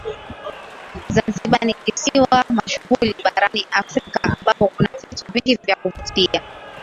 Zanzibar ni kisiwa mashuhuli barani Afrika ambapo kuna vitu vingi vya kuvutia